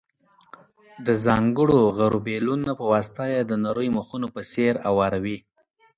د ځانګړو غربیلونو په واسطه یې د نریو مخونو په څېر اواروي.